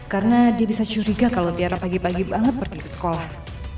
karena dia bisa curiga kalau tiara pagi pagi banget pergi ke sekolah